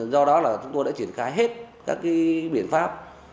do đó là chúng tôi đã triển khai hết các biện pháp